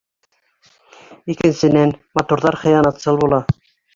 Икенсенән, матурҙар хыянатсыл була.